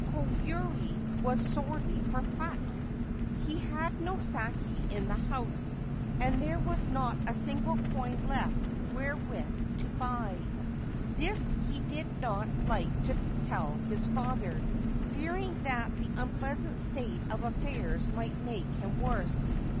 Koyuri was sorely perplexed. He had no sake in the house, and there was not a single coin left wherewith to buy. This he did not like to tell his father, fearing that the unpleasant state of affairs might make him worse.